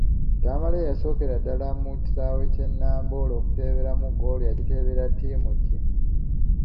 Tamale eyasookera ddala mu kisaawe kye Namboole okuteeberamu ggoolo yagiteebera ttiimu ki?